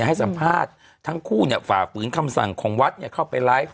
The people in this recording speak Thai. ให้สัมภาษณ์ทั้งคู่เนี่ยฝ่าฝืนคำสั่งของวัดเนี่ยเข้าไปไลฟ์